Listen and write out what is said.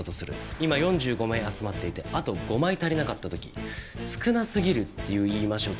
今４５枚集まっていてあと５枚足りなかった時「少なすぎる」っていう言い回しを使うか？